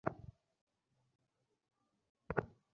দেখ আন্টির চশমার গ্লাস দিয়ে সে দড়িটা কাটছে।